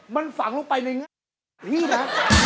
มันฝังลงไปในเงี๊ยบนะ